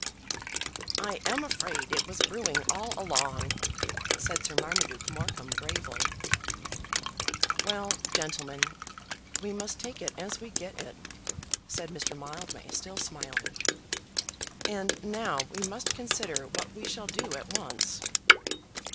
"I am afraid it was brewing all along," said Sir Marmaduke Morecombe gravely. "Well, gentlemen, we must take it as we get it," said Mr. Mildmay, still smiling. "And now we must consider what we shall do at once."